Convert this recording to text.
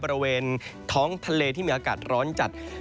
บริเวณท้องทะเลที่มีอากาศร้อนจัด